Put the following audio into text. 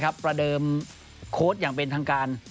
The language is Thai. ประเดิมโค้ดอย่างเป็นทางการ